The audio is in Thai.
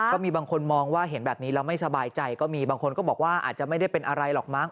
ก็มีบางคนมองว่าเห็นแบบนี้แล้วไม่สบายใจก็มีบางคนก็บอกว่าอาจจะไม่ได้เป็นอะไรหรอกมั้